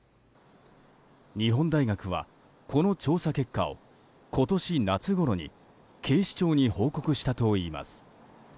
日本大学は、この調査結果を今年夏ごろに警視庁に報告したといいます。